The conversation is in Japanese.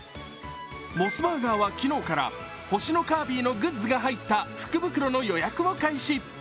モスバーガーは昨日から星のカービィのグッズが入った福袋の予約を開始。